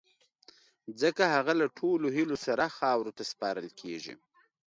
ځڪه هغه له ټولو هیلو سره خاورو ته سپارل کیږی